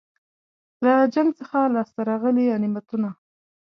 له جنګ څخه لاسته راغلي غنیمتونه.